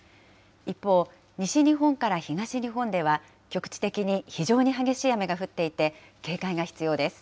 一方、西日本から東日本では、局地的に非常に激しい雨が降っていて、警戒が必要です。